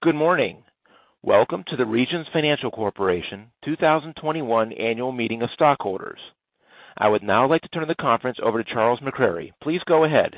Good morning. Welcome to the Regions Financial Corporation 2021 Annual Meeting of Stockholders. I would now like to turn the conference over to Charles McCrary. Please go ahead.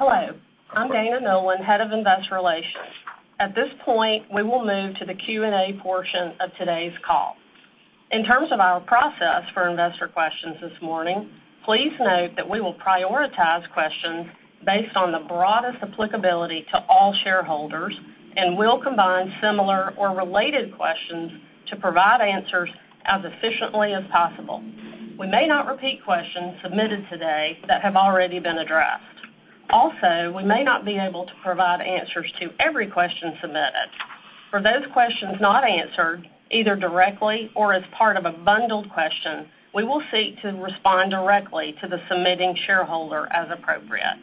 Hello, I'm Dana Nolan, Head of Investor Relations. At this point, we will move to the Q&A portion of today's call. In terms of our process for investor questions this morning, please note that we will prioritize questions based on the broadest applicability to all shareholders, and we'll combine similar or related questions to provide answers as efficiently as possible. We may not repeat questions submitted today that have already been addressed. Also, we may not be able to provide answers to every question submitted. For those questions not answered, either directly or as part of a bundled question, we will seek to respond directly to the submitting shareholder as appropriate.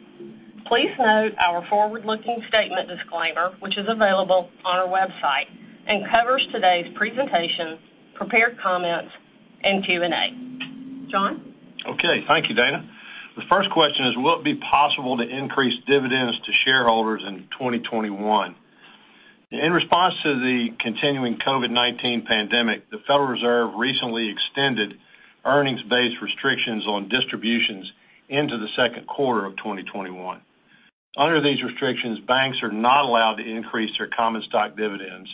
Please note our forward-looking statement disclaimer, which is available on our website and covers today's presentation, prepared comments, and Q&A. John? Okay. Thank you, Dana. The first question is, "Will it be possible to increase dividends to shareholders in 2021?" In response to the continuing COVID-19 pandemic, the Federal Reserve recently extended earnings-based restrictions on distributions into the second quarter of 2021. Under these restrictions, banks are not allowed to increase their common stock dividends,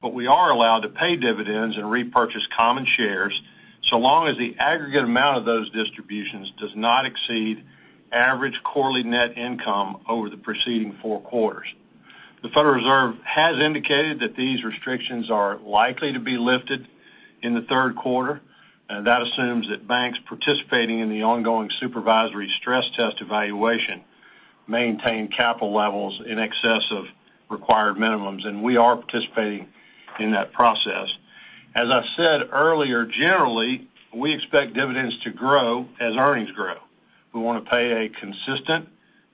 but we are allowed to pay dividends and repurchase common shares, so long as the aggregate amount of those distributions does not exceed average quarterly net income over the preceding four quarters. The Federal Reserve has indicated that these restrictions are likely to be lifted in the third quarter. That assumes that banks participating in the ongoing supervisory stress test evaluation maintain capital levels in excess of required minimums. We are participating in that process. As I said earlier, generally, we expect dividends to grow as earnings grow. We want to pay a consistent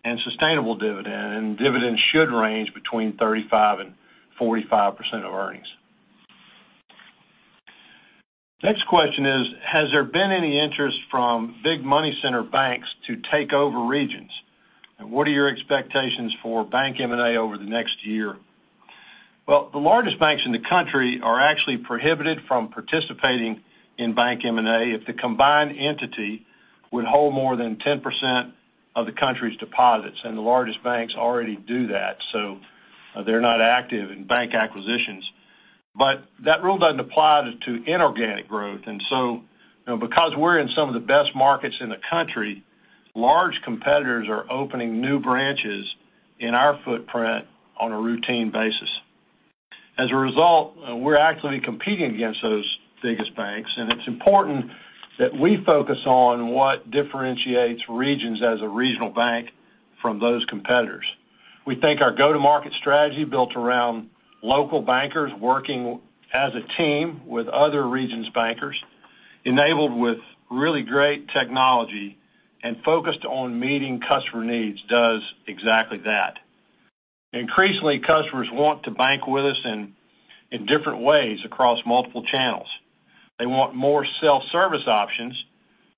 and sustainable dividend. Dividends should range between 35% and 45% of earnings. Next question is, "Has there been any interest from big money center banks to take over Regions? What are your expectations for bank M&A over the next year?" Well, the largest banks in the country are actually prohibited from participating in bank M&A if the combined entity would hold more than 10% of the country's deposits. The largest banks already do that, so they're not active in bank acquisitions. That rule doesn't apply to inorganic growth. Because we're in some of the best markets in the country, large competitors are opening new branches in our footprint on a routine basis. As a result, we're actively competing against those biggest banks. It's important that we focus on what differentiates Regions as a regional bank from those competitors. We think our go-to-market strategy built around local bankers working as a team with other Regions bankers, enabled with really great technology and focused on meeting customer needs, does exactly that. Increasingly, customers want to bank with us in different ways across multiple channels. They want more self-service options,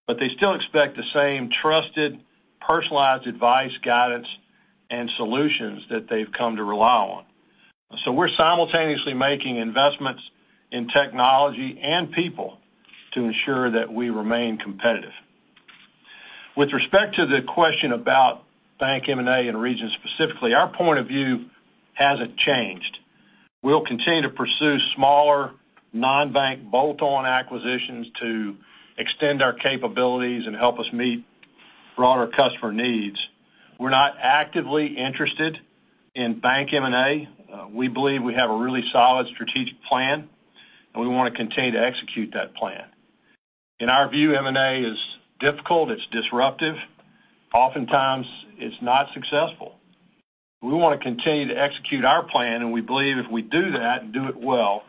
but they still expect the same trusted, personalized advice, guidance, and solutions that they've come to rely on. We're simultaneously making investments in technology and people to ensure that we remain competitive. With respect to the question about bank M&A and Regions specifically, our point of view hasn't changed. We'll continue to pursue smaller non-bank bolt-on acquisitions to extend our capabilities and help us meet broader customer needs. We're not actively interested in bank M&A. We believe we have a really solid strategic plan, and we want to continue to execute that plan. In our view, M&A is difficult, it's disruptive. Oftentimes, it's not successful. We want to continue to execute our plan, and we believe if we do that and do it well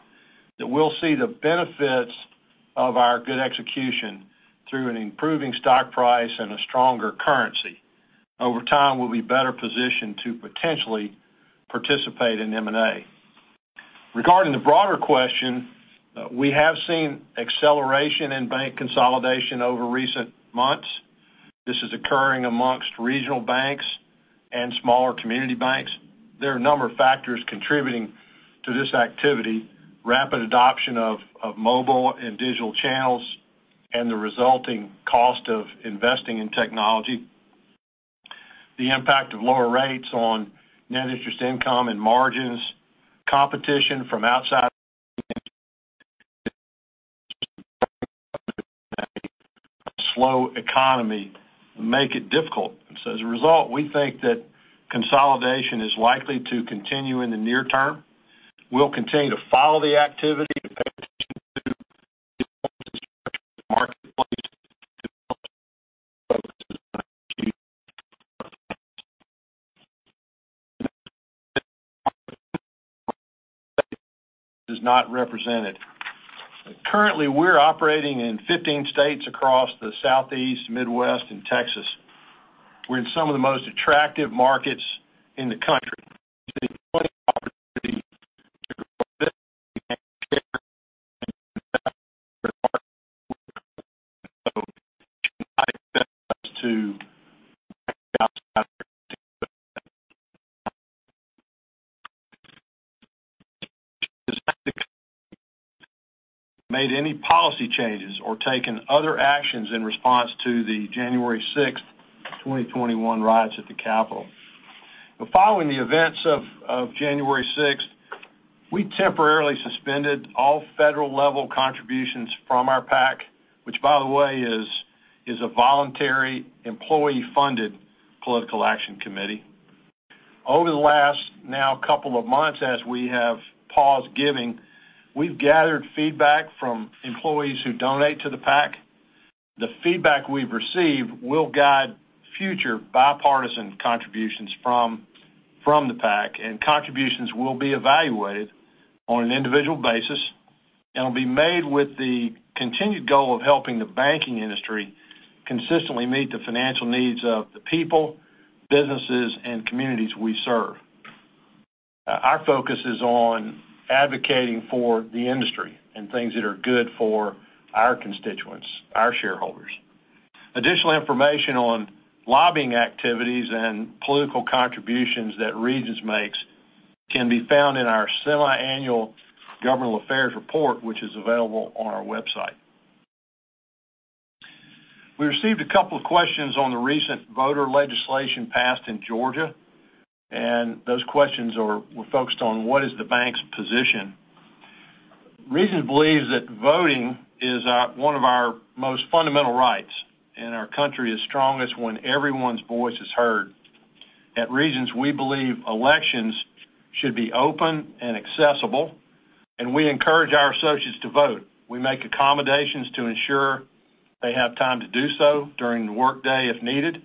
that we'll see the benefits of our good execution through an improving stock price and a stronger currency. Over time, we'll be better positioned to potentially participate in M&A. Regarding the broader question, we have seen acceleration in bank consolidation over recent months. This is occurring amongst regional banks and smaller community banks. There are a number of factors contributing to this activity, rapid adoption of mobile and digital channels, and the resulting cost of investing in technology. The impact of lower rates on net interest income and margins, competition from outside a slow economy make it difficult. As a result, we think that consolidation is likely to continue in the near term. We'll continue to follow the activity to pay attention to is not represented. Currently, we're operating in 15 states across the Southeast, Midwest, and Texas. We're in some of the most attractive markets in the country. made any policy changes or taken other actions in response to the January 6th, 2021, riots at the Capitol. Following the events of January 6th, we temporarily suspended all federal-level contributions from our PAC, which by the way, is a voluntary employee-funded political action committee. Over the last now couple of months as we have paused giving, we've gathered feedback from employees who donate to the PAC. The feedback we've received will guide future bipartisan contributions from the PAC. Contributions will be evaluated on an individual basis, and will be made with the continued goal of helping the banking industry consistently meet the financial needs of the people, businesses, and communities we serve. Our focus is on advocating for the industry and things that are good for our constituents, our shareholders. Additional information on lobbying activities and political contributions that Regions makes can be found in our semi-annual governmental affairs report, which is available on our website. We received a couple of questions on the recent voter legislation passed in Georgia, and those questions were focused on what is the bank's position. Regions believes that voting is one of our most fundamental rights, and our country is strongest when everyone's voice is heard. At Regions, we believe elections should be open and accessible, and we encourage our associates to vote. We make accommodations to ensure they have time to do so during the workday if needed,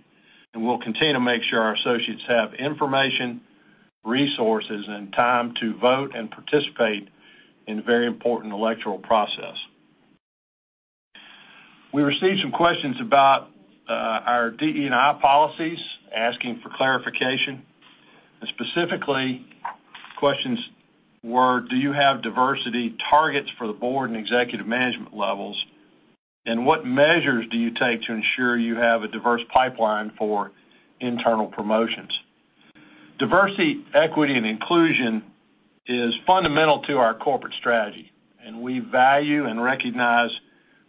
and we'll continue to make sure our associates have information, resources, and time to vote and participate in the very important electoral process. We received some questions about our DE&I policies, asking for clarification, and specifically, questions were do you have diversity targets for the board and executive management levels, and what measures do you take to ensure you have a diverse pipeline for internal promotions? Diversity, equity, and inclusion is fundamental to our corporate strategy, and we value and recognize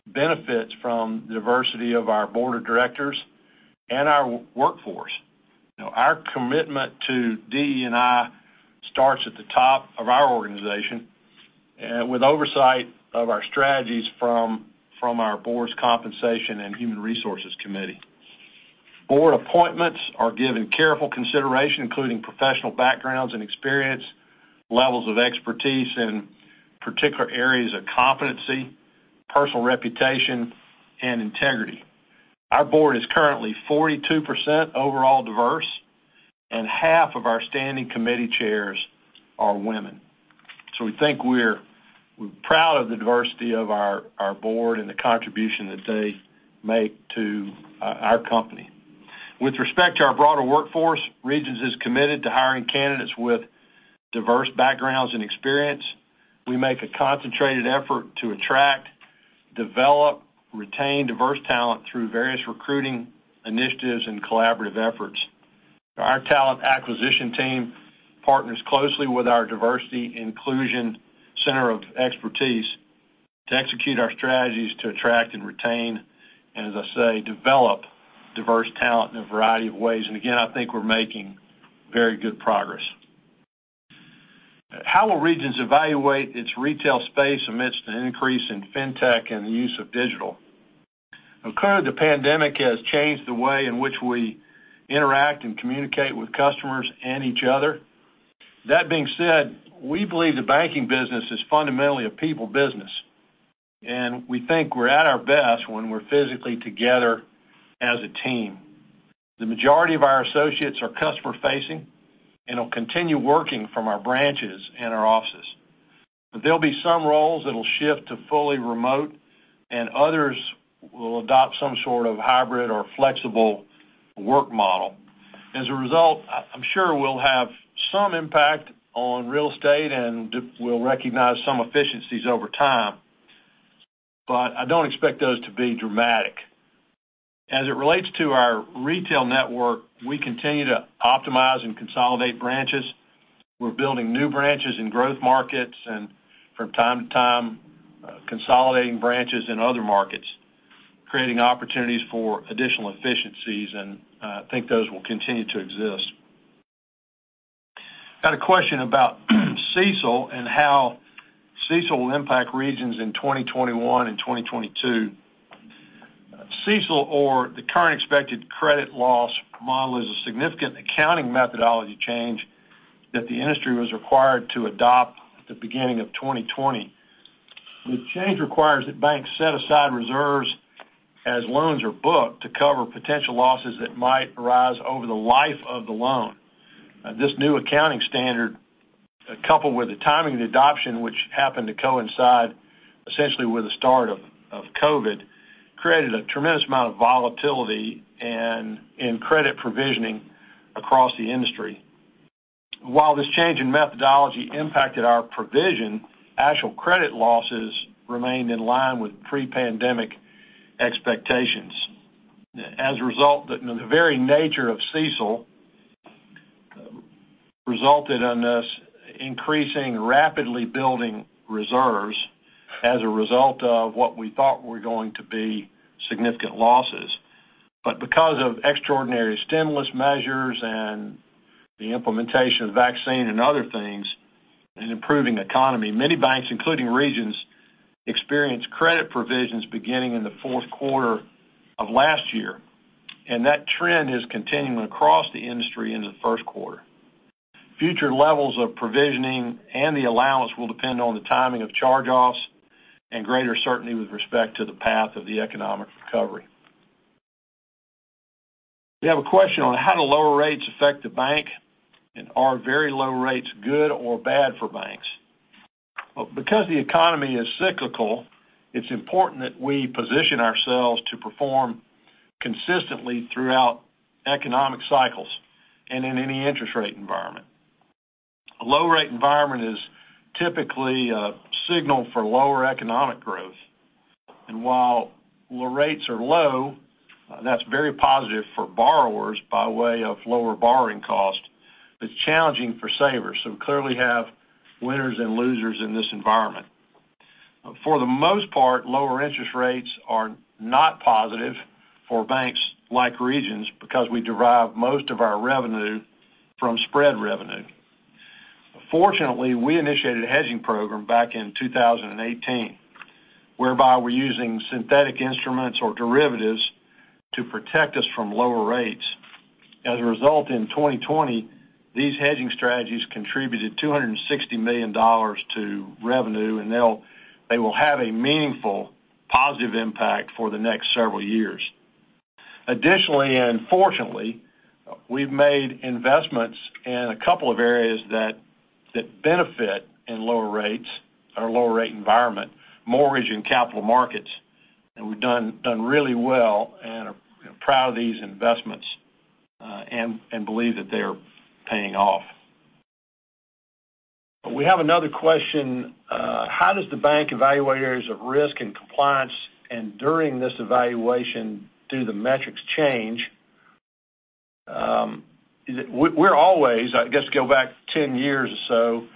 benefits from diversity of our board of directors and our workforce. Our commitment to DE&I starts at the top of our organization, with oversight of our strategies from our board's compensation and human resources committee. Board appointments are given careful consideration, including professional backgrounds and experience, levels of expertise in particular areas of competency, personal reputation, and integrity. Our board is currently 42% overall diverse and half of our standing committee chairs are women. We think we're proud of the diversity of our board and the contribution that they make to our company. With respect to our broader workforce, Regions is committed to hiring candidates with diverse backgrounds and experience. We make a concentrated effort to attract, develop, retain diverse talent through various recruiting initiatives and collaborative efforts. Our talent acquisition team partners closely with our diversity inclusion center of expertise to execute our strategies to attract and retain, and as I say, develop diverse talent in a variety of ways. Again, I think we're making very good progress. How will Regions evaluate its retail space amidst an increase in fintech and the use of digital? Clearly, the pandemic has changed the way in which we interact and communicate with customers and each other. That being said, we believe the banking business is fundamentally a people business. And we think we're at our best when we're physically together as a team. The majority of our associates are customer-facing and will continue working from our branches and our offices. There'll be some roles that'll shift to fully remote, and others will adopt some sort of hybrid or flexible work model. As a result, I'm sure we'll have some impact on real estate, and we'll recognize some efficiencies over time. I don't expect those to be dramatic. As it relates to our retail network, we continue to optimize and consolidate branches. We're building new branches in growth markets, and from time to time, consolidating branches in other markets, creating opportunities for additional efficiencies. I think those will continue to exist. Got a question about CECL and how CECL will impact Regions in 2021 and 2022. CECL or the Current Expected Credit Loss model is a significant accounting methodology change that the industry was required to adopt at the beginning of 2020. The change requires that banks set aside reserves as loans are booked to cover potential losses that might arise over the life of the loan. This new accounting standard, coupled with the timing of the adoption, which happened to coincide essentially with the start of COVID, created a tremendous amount of volatility in credit provisioning across the industry. While this change in methodology impacted our provision, actual credit losses remained in line with pre-pandemic expectations. As a result, the very nature of CECL resulted in us increasing rapidly building reserves as a result of what we thought were going to be significant losses. Because of extraordinary stimulus measures and the implementation of vaccine and other things, an improving economy, many banks, including Regions, experienced credit provisions beginning in the fourth quarter of last year. That trend is continuing across the industry into the first quarter. Future levels of provisioning and the allowance will depend on the timing of charge-offs and greater certainty with respect to the path of the economic recovery. We have a question on how do lower rates affect the bank. Are very low rates good or bad for banks? The economy is cyclical, it's important that we position ourselves to perform consistently throughout economic cycles and in any interest rate environment. A low rate environment is typically a signal for lower economic growth. While rates are low, that's very positive for borrowers by way of lower borrowing cost. It's challenging for savers, so we clearly have winners and losers in this environment. For the most part, lower interest rates are not positive for banks like Regions because we derive most of our revenue from spread revenue. Fortunately, we initiated a hedging program back in 2018, whereby we're using synthetic instruments or derivatives to protect us from lower rates. As a result, in 2020, these hedging strategies contributed $260 million to revenue, and they will have a meaningful, positive impact for the next several years. Additionally, fortunately, we've made investments in a couple of areas that benefit in lower rates or lower rate environment, mortgage and capital markets. We've done really well and are proud of these investments, and believe that they are paying off. We have another question. How does the bank evaluate areas of risk and compliance, and during this evaluation, do the metrics change? We're always, I guess, go back 10 years or so,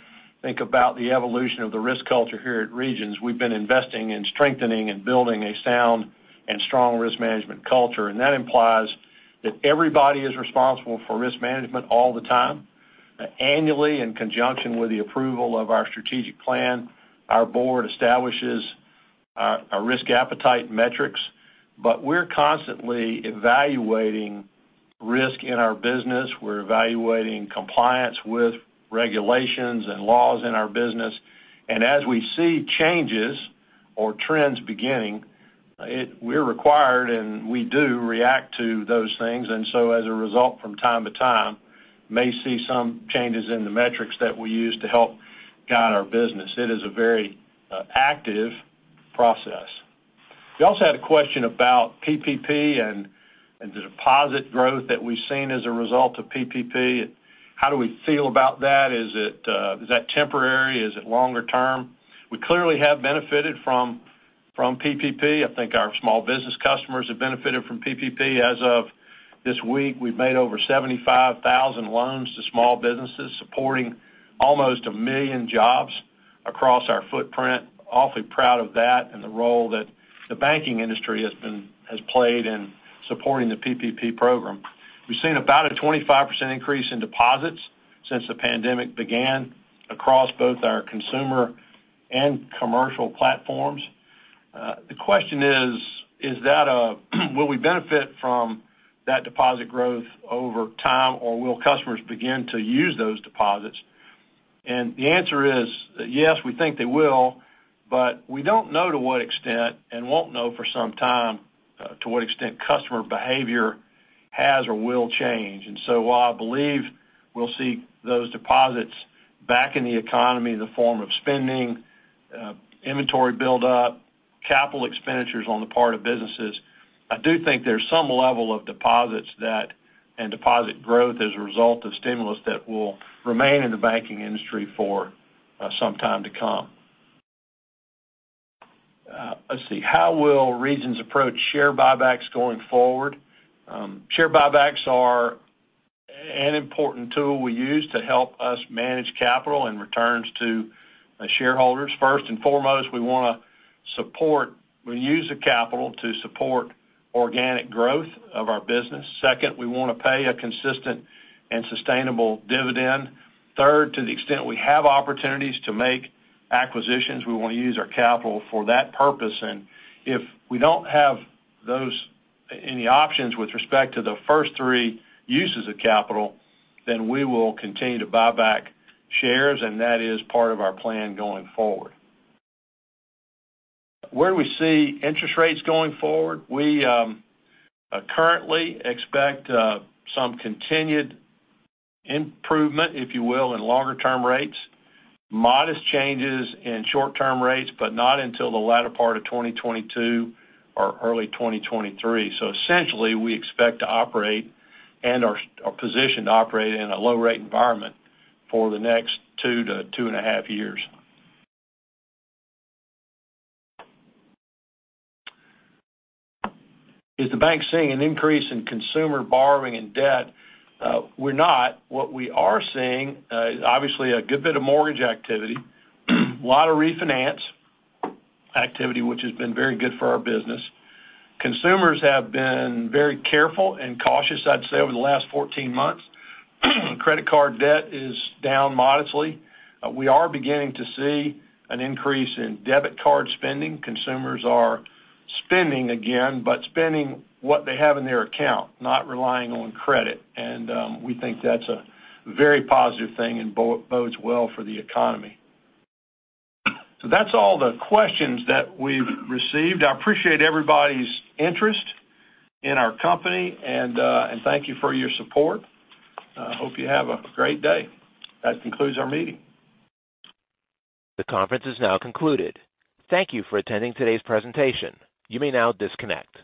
think about the evolution of the risk culture here at Regions. We've been investing in strengthening and building a sound and strong risk management culture, and that implies that everybody is responsible for risk management all the time. Annually, in conjunction with the approval of our strategic plan, our board establishes our risk appetite metrics. We're constantly evaluating risk in our business. We're evaluating compliance with regulations and laws in our business. As we see changes or trends beginning, we're required, and we do react to those things, and so as a result, from time to time, may see some changes in the metrics that we use to help guide our business. It is a very active process. We also had a question about PPP and the deposit growth that we've seen as a result of PPP. How do we feel about that? Is that temporary? Is it longer term? We clearly have benefited from PPP. I think our small business customers have benefited from PPP. As of this week, we've made over 75,000 loans to small businesses, supporting almost 1 million jobs across our footprint. Awfully proud of that and the role that the banking industry has played in supporting the PPP program. We've seen about a 25% increase in deposits since the pandemic began across both our consumer and commercial platforms. The question is, will we benefit from that deposit growth over time, or will customers begin to use those deposits? The answer is yes, we think they will, but we don't know to what extent and won't know for some time to what extent customer behavior has or will change. While I believe we'll see those deposits back in the economy in the form of spending, inventory build up, capital expenditures on the part of businesses, I do think there's some level of deposits that, and deposit growth as a result of stimulus that will remain in the banking industry for some time to come. Let's see. How will Regions approach share buybacks going forward? Share buybacks are an important tool we use to help us manage capital and returns to shareholders. First and foremost, we want to use the capital to support organic growth of our business. Second, we want to pay a consistent and sustainable dividend. Third, to the extent we have opportunities to make acquisitions, we want to use our capital for that purpose. If we don't have any options with respect to the first three uses of capital, then we will continue to buy back shares, and that is part of our plan going forward. Where do we see interest rates going forward? We currently expect some continued improvement, if you will, in longer term rates. Modest changes in short term rates, but not until the latter part of 2022 or early 2023. Essentially, we expect to operate and are positioned to operate in a low rate environment for the next two to two and a half years. Is the bank seeing an increase in consumer borrowing and debt? We're not. What we are seeing, obviously a good bit of mortgage activity, a lot of refinance activity, which has been very good for our business. Consumers have been very careful and cautious, I'd say, over the last 14 months. Credit card debt is down modestly. We are beginning to see an increase in debit card spending. Consumers are spending again, but spending what they have in their account, not relying on credit. We think that's a very positive thing and bodes well for the economy. That's all the questions that we've received. I appreciate everybody's interest in our company, and thank you for your support. Hope you have a great day. That concludes our meeting. The conference is now concluded. Thank you for attending today's presentation. You may now disconnect.